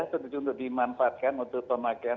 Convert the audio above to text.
terutama dimanfaatkan untuk pemakaian